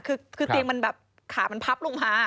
คือเตียงมันแบบขามันพับลงมา